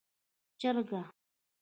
🐔 چرګه